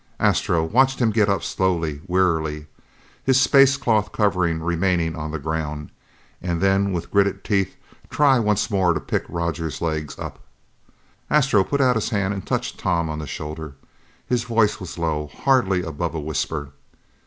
Astro watched him get up slowly, wearily, his space cloth covering remaining on the ground, and then, with gritted teeth, try once more to pick Roger's legs up. Astro put out his hand and touched Tom on the shoulder. His voice was low, hardly above a whisper.